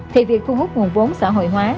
thì việc thu hút nguồn vốn xã hội hóa